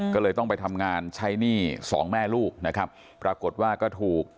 ก็เลยต้องไปทำงานใช้หนี้สองแม่ลูกนะครับปรากฏว่าก็ถูก